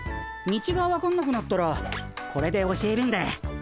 道が分かんなくなったらこれで教えるんで。